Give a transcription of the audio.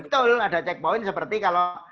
betul ada cek poin seperti kalau